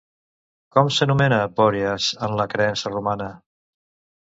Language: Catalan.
Com s'anomena Bòreas en la creença romana?